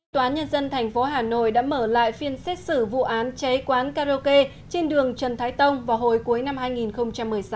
tòa nhân dân tp hà nội đã mở lại phiên xét xử vụ án cháy quán karaoke trên đường trần thái tông vào hồi cuối năm hai nghìn một mươi sáu